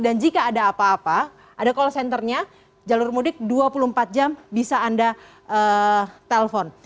dan jika ada apa apa ada call centernya jalur mudik dua puluh empat jam bisa anda telepon